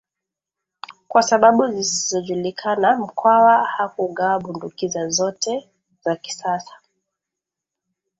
Kwa sababu zisizojulikana Mkwawa hakugawa bunduki za zote za kisasa